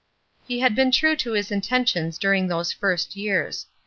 He had been true to his intentions during those first years.